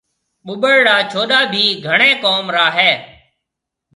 ٻُٻڙ را ڇوُڏآ ڀِي گھڻي ڪوم را هيَ۔